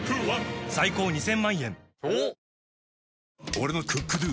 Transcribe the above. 俺の「ＣｏｏｋＤｏ」！